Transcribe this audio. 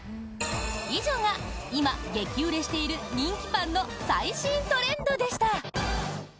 以上が今、激売れしている人気パンの最新トレンドでした！